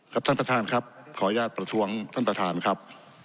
ท่านประธานครับขออนุญาตประท้วงท่านประธานครับ